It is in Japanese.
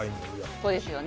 そうですよね。